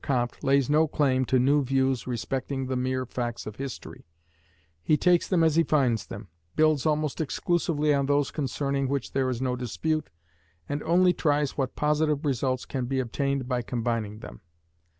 Comte lays no claim to new views respecting the mere facts of history; he takes them as he finds them, builds almost exclusively on those concerning which there is no dispute, and only tries what positive results can be obtained by combining them.